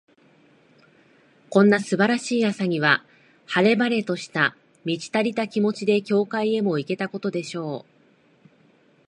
こんな素晴らしい朝には、晴れ晴れとした、満ち足りた気持ちで、教会へも行けたことでしょう。